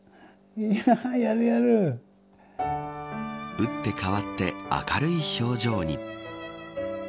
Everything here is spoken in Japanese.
うって変わって明るい表情に。